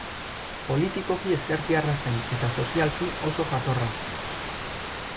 Politikoki ezkertiarra zen eta sozialki oso jatorra.